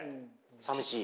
さみしい？